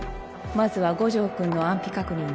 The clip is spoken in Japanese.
まずは五条君の安否確認だ。